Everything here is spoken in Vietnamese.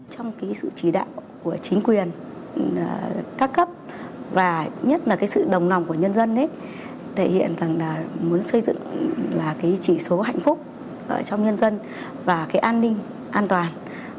trong sự chỉ đạo của chính quyền các cấp và nhất là sự đồng nòng của nhân dân thể hiện rằng muốn xây dựng chỉ số hạnh phúc trong nhân dân và an ninh an toàn